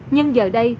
nhưng giờ đây